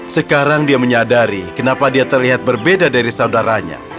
sekarang dia menyadari kenapa dia terlihat berbeda dari saudaranya